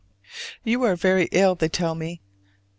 You are very ill, they tell me.